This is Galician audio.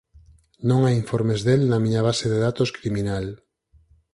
Non hai informes del na miña base de datos criminal.